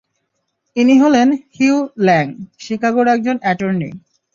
ইনি হলেন Hugh Lang, শিকাগোর একজন অ্যাটর্নি।